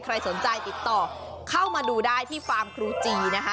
ใครสนใจติดต่อเข้ามาดูได้ที่ฟาร์มครูจีนะคะ